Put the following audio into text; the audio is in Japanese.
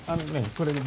これね